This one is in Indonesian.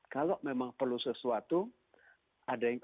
kalau memang perlu sesuatu ada yang